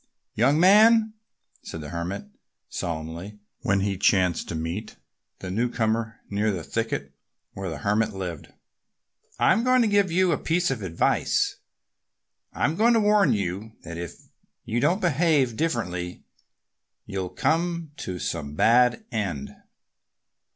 "Young man!" said the Hermit solemnly, when he chanced to meet the newcomer near the thicket where the Hermit lived, "I'm going to give you a bit of advice. I'm going to warn you that if you don't behave differently you'll come to some bad end."